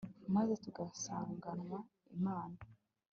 maze tugasanganwa imana